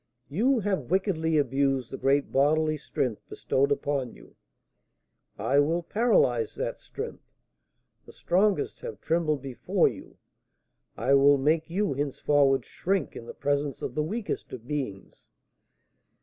"You have wickedly abused the great bodily strength bestowed upon you, I will paralyse that strength; the strongest have trembled before you, I will make you henceforward shrink in the presence of the weakest of beings.